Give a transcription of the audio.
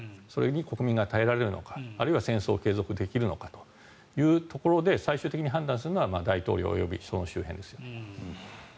それに国民が耐えられるのかあるいは戦争を継続できるのかというところで最終的に判断するのは大統領及びその周辺ですね。